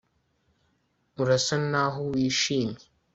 Urasa naho wishimye